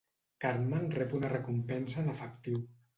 Cartman rep una recompensa en efectiu.